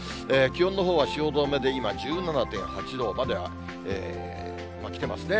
気温のほうは汐留で今、１７．８度まできてますね。